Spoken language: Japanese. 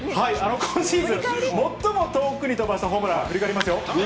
今シーズン、最も遠くに飛ばしたホームラン、振り返りますよ。